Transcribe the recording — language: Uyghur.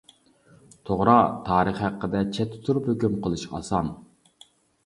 توغرا، تارىخ ھەققىدە چەتتە تۇرۇپ ھۆكۈم قىلىش ئاسان.